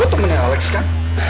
lo temennya alex kan